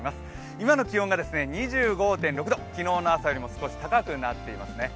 今の気温が２５．６度、昨日の朝よりも少し高くなっていますね。